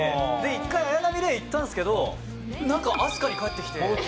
１回、綾波レイいったんですけどなんか、アスカに帰ってきて。